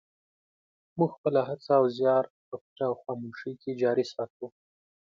موږ خپله هڅه او زیار په پټه او خاموشۍ کې جاري ساتو.